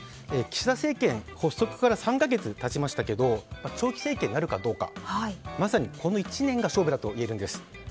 岸田政権発足から３か月が経ちましたが長期政権になるかどうかまさにこの１年が勝負だといえるんです。